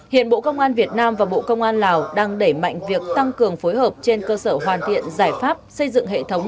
hiện bộ công an việt nam và bộ công an lào đang đẩy mạnh việc tăng cường phối hợp trên cơ sở hoàn thiện giải pháp xây dựng hệ thống